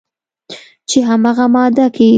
چې همغه ماده کې